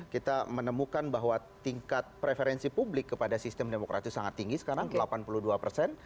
kita menemukan bahwa tingkat preferensi publik kepada sistem demokrasi sangat tinggi sekarang delapan puluh dua persen